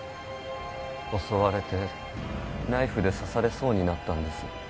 襲われてナイフで刺されそうになったんです